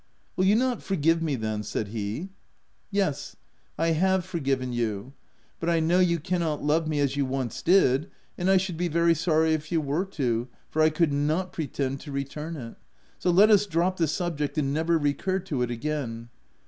"Will you not forgive me then?" said he. "Yes, — I have forgiven you; but I know you cannot love me as you'" once did— and I should be very sorry if you were to, for I could not pretend to return it : so let us drop the sub ject, and never recur to it again.